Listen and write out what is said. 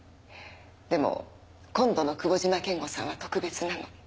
でも今度の久保島健悟さんは特別なの。